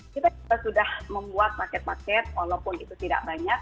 kita juga sudah membuat paket paket walaupun itu tidak banyak